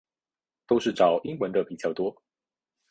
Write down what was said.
都是找英文的比较多